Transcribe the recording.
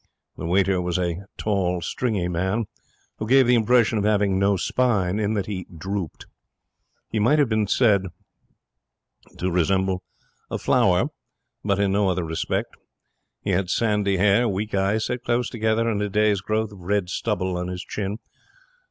The waiter was a tall, stringy man, who gave the impression of having no spine. In that he drooped, he might have been said to resemble a flower, but in no other respect. He had sandy hair, weak eyes set close together, and a day's growth of red stubble on his chin.